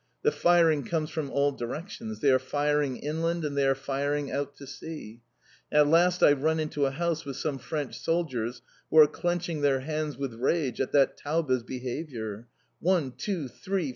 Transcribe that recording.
The firing comes from all directions. They are firing inland and they are firing out to sea. At last I run into a house with some French soldiers who are clenching their hands with rage at that Taube's behaviour. One! two! three!